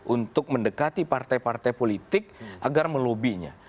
untuk mendekati partai partai politik agar melobinya